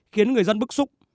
khiến người dân bức xúc